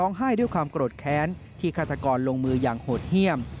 ให้ด้วยความโกรธแค้นที่ฆาตกรลงมืออย่างโหดเยี่ยม